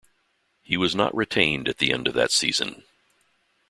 He was not retained at the end of that season.